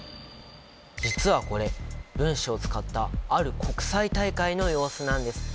実はこれ分子を使ったある国際大会の様子なんです。